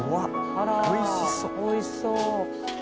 あらおいしそう。